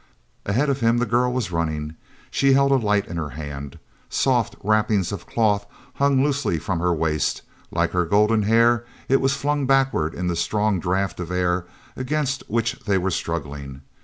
Ahead of him the girl was running. She held a light in her hand. Soft wrappings of cloth hung loosely from her waist; like her golden hair, it was flung backward in the strong draft of air against which they were struggling.